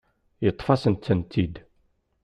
Yeṭṭef-asent-tt-id.